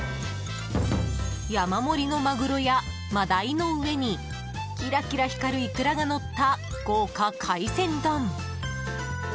山盛りのマグロや真鯛の上にキラキラ光るイクラがのった豪華海鮮丼。